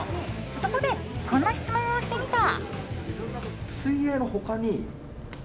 そこで、こんな質問をしてみた。